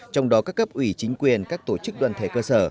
trong đó các cấp ủy chính quyền các tổ chức đoàn thể cơ sở